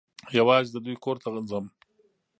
یوازي د دوی کور ته ځم .